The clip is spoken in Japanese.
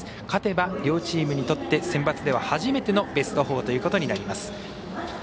勝てば両チームにとってセンバツでは初めてのベスト４ということになります。